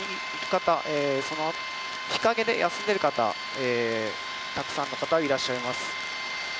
日陰で休んでいる方がたくさんの方がいらっしゃいます。